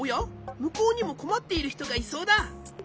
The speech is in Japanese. むこうにもこまっているひとがいそうだ。